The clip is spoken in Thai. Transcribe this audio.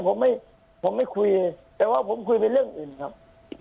ผมไม่ผมไม่คุยแต่ว่าผมคุยเป็นเรื่องอื่นครับ